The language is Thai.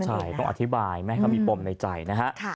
ใช่ต้องอธิบายไม่ให้เขามีปมในใจนะฮะ